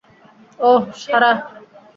ওহ, সারা।